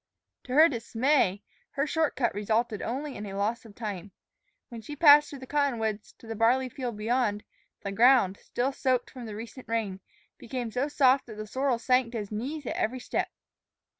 To her dismay, her short cut resulted only in a loss of time. When she passed through the cottonwoods to the barley field beyond, the ground, still soaked from the recent rain, became so soft that the sorrel sank to his knees at every step.